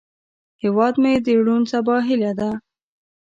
هیواد مې د روڼ سبا هیله ده